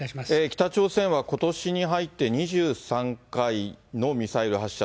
北朝鮮はことしに入って２３回のミサイル発射、